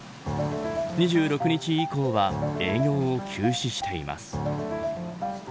２６日以降は営業を休止しています。